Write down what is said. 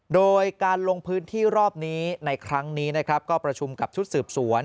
โดยการลงพื้นที่รอบนี้ในครั้งนี้นะครับก็ประชุมกับชุดสืบสวน